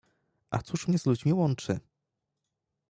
A cóż mnie z ludźmi łączy?